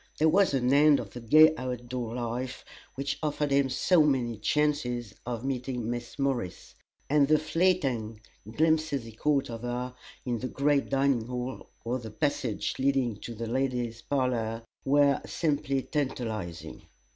There was an end of the gay out door life which offered him so many chances of meeting Miss Morris, and the fleeting glimpses he caught of her in the great dining hall or the passage leading to the ladies' parlor were simply tantalizing.